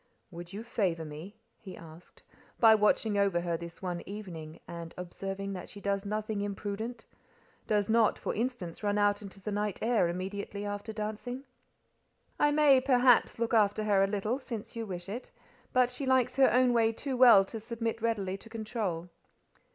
"Would you favour me," he asked, "by watching over her this one evening, and observing that she does nothing imprudent—does not, for instance, run out into the night air immediately after dancing?" "I may, perhaps, look after her a little; since you wish it; but she likes her own way too well to submit readily to control."